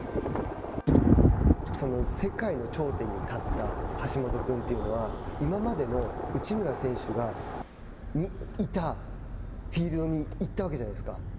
世界の頂点に立った橋本君というのは今までの内村選手がいたフィールドに行ったわけじゃないですか。